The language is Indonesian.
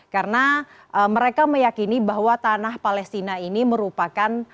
karena mereka meyakini bahwa tanah palestina ini merupakan